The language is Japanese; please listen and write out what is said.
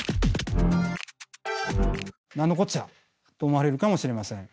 何のこっちゃ？と思われるかもしれません。